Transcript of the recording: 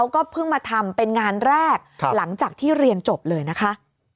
ก็เพิ่งมาทำเป็นงานแรกหลังจากที่เรียนจบเลยนะคะ